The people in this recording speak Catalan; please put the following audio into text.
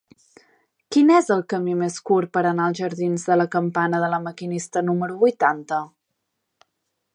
Quin és el camí més curt per anar als jardins de la Campana de La Maquinista número vuitanta?